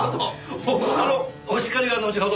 お叱りは後ほど。